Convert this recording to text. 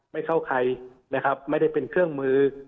ไม่เข้าใครนะครับไม่ได้เป็นเครื่องมือ